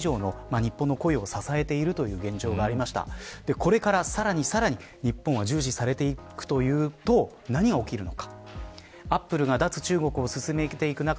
これから、さらに日本は重視されてきてると何が起きるのか。